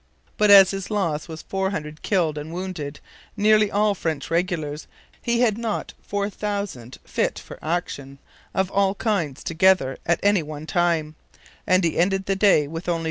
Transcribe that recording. But as his loss was 400 killed and wounded, nearly all French regulars, he had not 4,000 fit for action, of all kinds together, at any one time; and he ended the day with only 3,765.